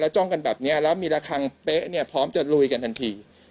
จ้องกันแบบนี้แล้วมีระคังเป๊ะเนี่ยพร้อมจะลุยกันทันที